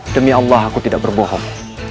demi allah aku tidak berbohong